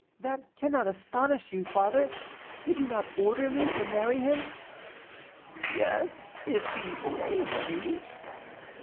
"That cannot astonish you, father; did you not order me to marry him?" "Yes, if he saved you."